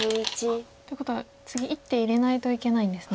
っていうことは次一手入れないといけないんですね。